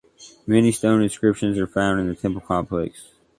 Many stone inscriptions are found in the temple complex.